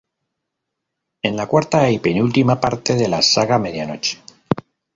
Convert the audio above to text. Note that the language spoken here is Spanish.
Es la cuarta y penúltima parte de la saga Medianoche.